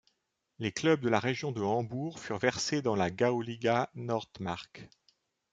Les clubs de la région de Hambourg furent versés dans la Gauliga Nordmark.